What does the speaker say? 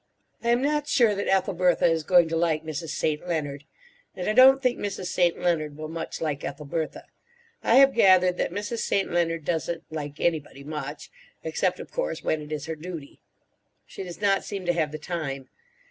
I am not sure that Ethelbertha is going to like Mrs. St. Leonard; and I don't think Mrs. St. Leonard will much like Ethelbertha. I have gathered that Mrs. St. Leonard doesn't like anybody much—except, of course, when it is her duty. She does not seem to have the time.